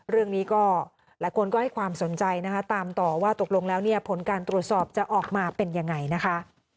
เรื่องนี้ก็หลายคนก็ให้ความสนใจนะคะตามต่อว่าตกลงแล้วเนี่ยผลการตรวจสอบจะออกมาเป็นยังไงนะคะ